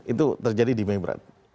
itu terjadi di mebrat